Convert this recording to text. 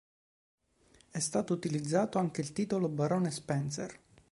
È stato utilizzato anche il titolo barone Spencer.